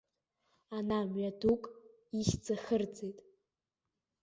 Ана мҩадук ихьӡ ахырҵеит.